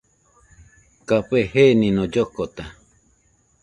Café jenino llokota